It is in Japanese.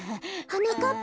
はなかっ